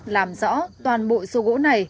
làm rõ toàn bộ số gỗ này